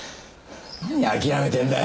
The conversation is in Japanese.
何諦めてんだよ！